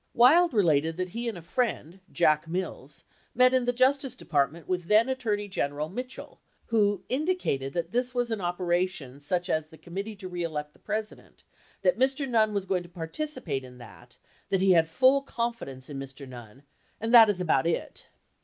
63 Wild related that he and a friend, Jack Mills, met in the Justice De partment with then Attorney General Mitchell, who "indicated that this was an operation such as the Committee To Re Elect the President, that Mr. Nunn was going to participate in that, that he had full con fidence in Mr. Nunn, and that is about it."